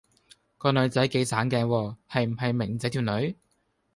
個女仔幾省鏡喎，係唔係明仔條女